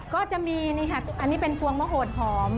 ก็จะมีนี่ค่ะอันนี้เป็นพวงมะโหดหอม